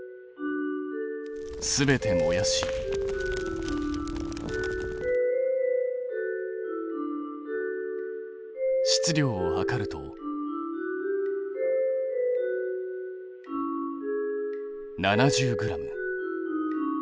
全て燃やし質量を量ると７０ｇ。